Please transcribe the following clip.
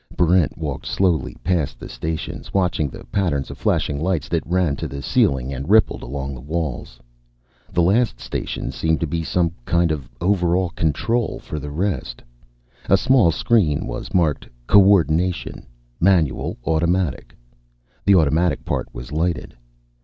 Barrent walked slowly past the stations, watching the patterns of flashing lights that ran to the ceiling and rippled along the walls. The last station seemed to be some kind of overall control for the rest. A small screen was marked: Coordination, Manual/Automatic. The Automatic part was lighted.